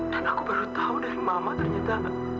dan aku baru tahu dari mama ternyata